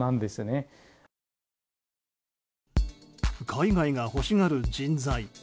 海外が欲しがる人材。